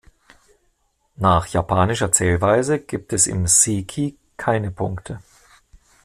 Nach japanischer Zählweise gibt es im Seki keine Punkte.